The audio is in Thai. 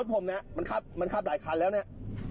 ต่อหน้าตำรวจมึงยังทำอย่างนี้เลย